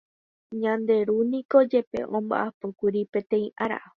Ñande Ru niko jepe omba'apókuri poteĩ ára.